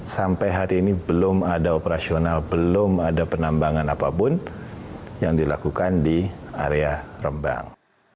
sampai hari ini belum ada operasional belum ada penambangan apapun yang dilakukan di area rembang